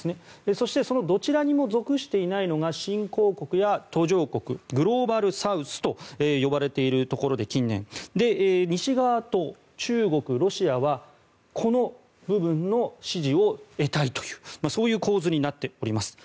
そしてそのどちらにも属していないのが新興国や途上国近年、グローバルサウスと呼ばれているところで西側と中国、ロシアはこの部分の支持を得たいというそういう構図になっております。